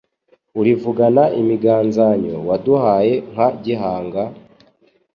Urivugana imiganzanyo. Waduhaye nka Gihanga,